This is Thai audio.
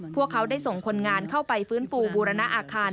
พวกเขาได้ส่งคนงานเข้าไปฟื้นฟูบูรณะอาคาร